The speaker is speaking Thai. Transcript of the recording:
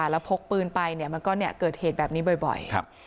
แล้วพกปืนไปเนี่ยมันก็เกิดเหตุแบบนี้บ่อย